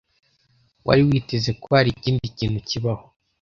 Wari witeze ko hari ikindi kintu kibaho?